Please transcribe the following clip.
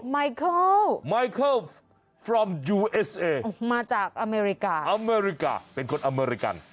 ไมเคิลมาจากอเมริกาอเมริกาเป็นคนอเมริกัน